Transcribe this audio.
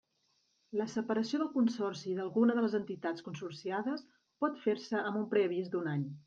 La separació del Consorci d'alguna de les entitats consorciades pot fer-se amb un preavís d'un any.